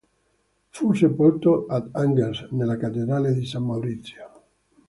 Fu sepolto ad Angers nella cattedrale di San Maurizio.